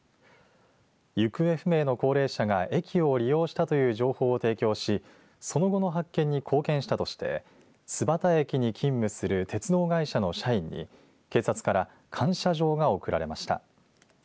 行方不明者の高齢者が駅を利用したという情報を提供しその後の発見に貢献したとして津幡駅に勤務する鉄道会社の社員に警察から感謝状が贈られました。